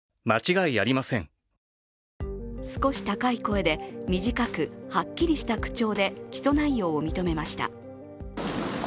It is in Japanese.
少し高い声で短くはっきりした口調で起訴内容を認めました。